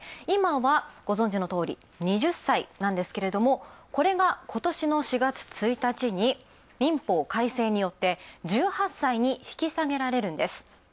今はご存知のとおり２０歳なんですけれどもこれが、ことしの４月１日に民法改正によって１８歳に引き下げられるんです。